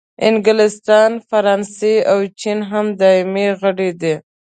انګلستان، فرانسې او چین هم دایمي غړي دي.